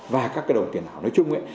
và các cái đồng tiền nào nói chung ấy